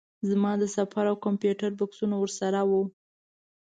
زما د سفر او کمپیوټر بکسونه ورسره وو.